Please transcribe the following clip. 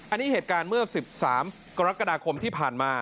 อันนี้เหตุการณ์เมื่อ๑๓กรกฎาคมที่ผ่านมา